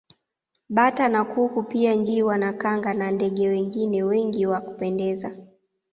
Bata na kuku pia njiwa na kanga na ndege wengine wengi wa kupendeza